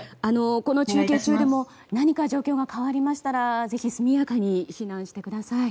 この中継中でも何か状況が変わりましたらぜひ速やかに避難してください。